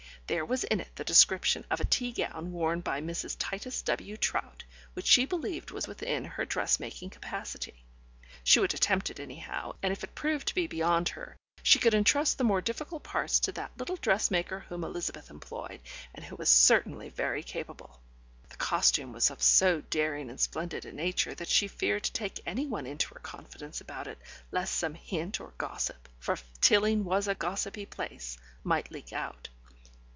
There was in it the description of a tea gown worn by Mrs. Titus W. Trout which she believed was within her dressmaking capacity. She would attempt it, anyhow, and if it proved to be beyond her, she could entrust the more difficult parts to that little dressmaker whom Elizabeth employed, and who was certainly very capable. But the costume was of so daring and splendid a nature that she feared to take anyone into her confidence about it, lest some hint or gossip for Tilling was a gossipy place might leak out.